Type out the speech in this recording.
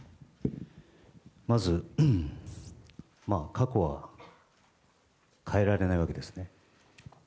まず、過去は変えられないわけですね。